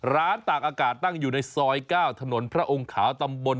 ตากอากาศตั้งอยู่ในซอย๙ถนนพระองค์ขาวตำบล